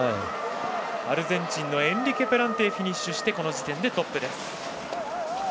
アルゼンチンのエンリケ・プランテイがフィニッシュしてこの時点でトップです。